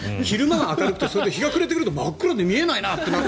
昼間は明るくて日が暮れてくると真っ暗で見えないなって。